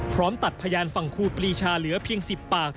ตัดพยานฝั่งครูปรีชาเหลือเพียง๑๐ปาก